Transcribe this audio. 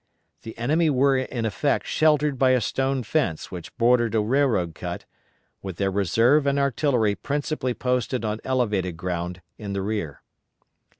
The enemy were in effect sheltered by a stone fence which bordered a railroad cut, with their reserve and artillery principally posted on elevated ground in the rear.